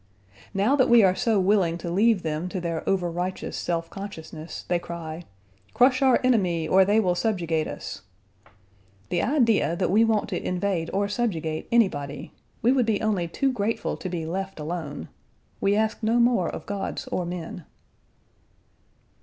Now that we are so willing to leave them to their overrighteous self consciousness, they cry: "Crush our enemy, or they will subjugate us." The idea that we want to invade or subjugate anybody; we would be only too grateful to be left alone. We ask no more of gods or men.